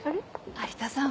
有田さん